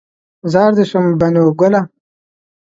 زار دې شم بنو ګله